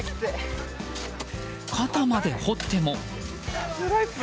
肩まで掘っても。